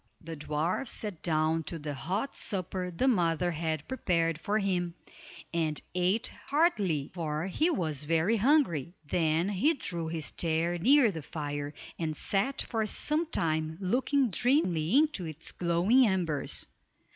The dwarf sat down to the hot supper the mother had prepared for him, and ate heartily, for he was very hungry. Then he drew his chair near the fire, and sat for sometime looking dreamily into its glowing embers.